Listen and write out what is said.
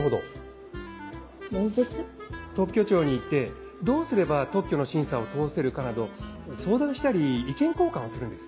特許庁に行ってどうすれば特許の審査を通せるかなど相談したり意見交換をするんです。